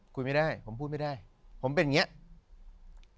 คุยไม่ได้ผมพูดไม่ได้ผมเป็นอย่างเงี้ย